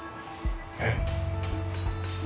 えっ。